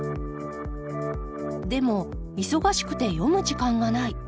でも忙しくて読む時間がない。